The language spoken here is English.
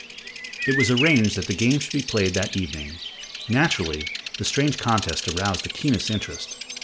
It was arranged that the game should be played that evening. Naturally, the strange contest aroused the keenest interest.